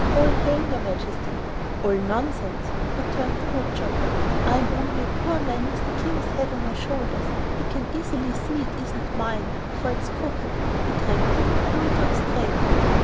All hail, your Majesty!" "All nonsense!" returned the wood chopper. "I am only a poor man with the King's head on my shoulders. You can easily see it isn't mine, for it's crooked; the Dragon didn't glue it on straight."